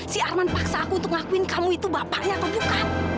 si arman paksa aku untuk ngakuin kalau itu bapaknya atau bukan